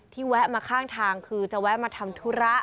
แวะมาข้างทางคือจะแวะมาทำธุระ